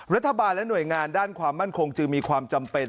รัฐบาลและหน่วยงานด้านความมั่นคงจึงมีความจำเป็น